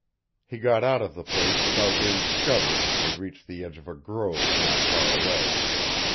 He got out of the place without being discovered, and reached the edge of a grove not far away.